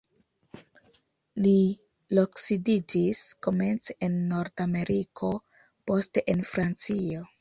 Li loksidiĝis komence en Nord-Ameriko, poste en Francio.